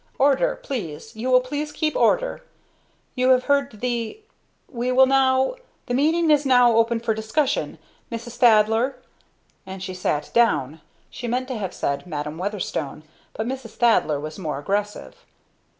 "Order, please! You will please keep order. You have heard the we will now the meeting is now open for discussion, Mrs. Thaddler!" And she sat down. She meant to have said Madam Weatherstone, by Mrs. Thaddler was more aggressive.